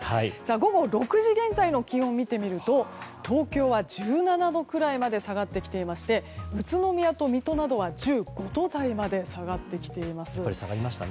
午後６時現在の気温を見てみると東京は１７度くらいまで下がってきていまして宇都宮と水戸などは１５度台まで下がってきています。